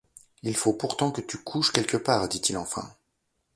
Il faut pourtant que tu couches quelque part, dit-il enfin.